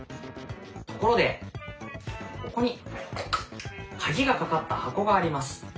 ところでここに鍵がかかった箱があります。